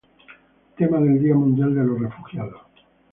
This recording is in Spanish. Temas del Día Mundial de los Refugiados